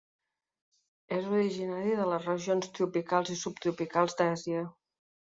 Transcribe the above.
És originari de les regions tropicals i subtropicals d'Àsia.